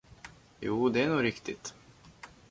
Jo, det är nog riktigt!